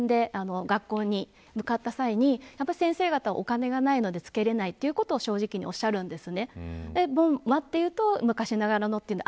防犯教室とか講演で学校に向かった際に先生方、お金がないので付けれないということを正直におっしゃるんです。